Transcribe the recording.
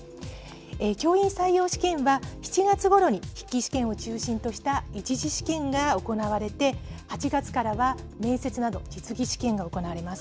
教員採用試験は、７月ごろに筆記試験を中心とした１次試験が行われて、８月からは面接など、実技試験が行われます。